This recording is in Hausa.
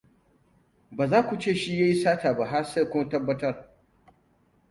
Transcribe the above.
Ba za ku ce shi ya yi sata ba, har sai kun tabbatar.